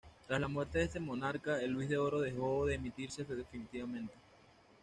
Tras la muerte de este monarca, el luis de oro dejó de emitirse definitivamente.